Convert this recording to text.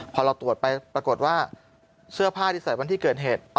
พอเราตรวจไปปรากฏว่าเสื้อผ้าที่ใส่วันที่เกิดเหตุ